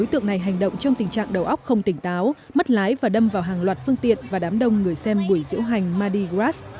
tượng này hành động trong tình trạng đầu óc không tỉnh táo mất lái và đâm vào hàng loạt phương tiện và đám đông người xem buổi diễu hành madigras